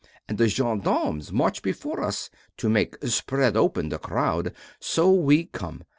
And the gendarmes march before us to make spread open the crowd so we come.